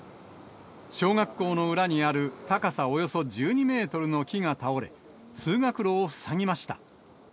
小学校の裏にある高さおよそ１２メートルの木が倒れ、通学路を塞ぎました。